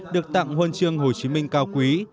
được tặng huân chương hồ chí minh cao quý